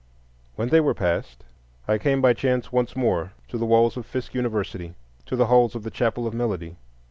When they were past, I came by chance once more to the walls of Fisk University, to the halls of the chapel of melody.